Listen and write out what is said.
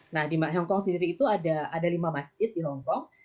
nah di hongkong sendiri itu ada lima masjid di hongkong